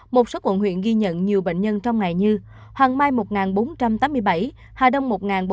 một số quận huyện ghi nhận nhiều bệnh nhân trong ngày như hoàng mai một bốn trăm tám mươi bảy hà đông một bốn trăm hai mươi bốn